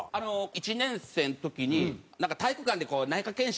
１年生の時になんか体育館で内科健診。